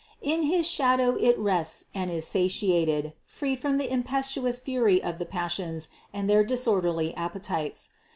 In his shadow it rests and is satiated, freed from the impetuous fury of the passions and their disorderly appetites.